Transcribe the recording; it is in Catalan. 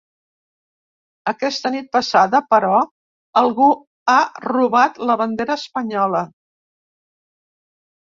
Aquesta nit passada, però, algú ha robat la bandera espanyola.